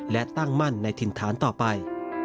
และตั้งมั่นในถิ่นฐานต่อไป